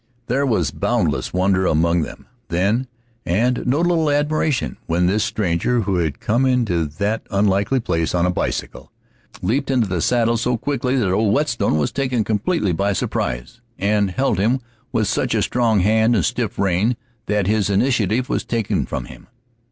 There was boundless wonder among them, then, and no little admiration, when this stranger who had come into that unlikely place on a bicycle leaped into the saddle so quickly that old Whetstone was taken completely by surprise, and held him with such a strong hand and stiff rein that his initiative was taken from him.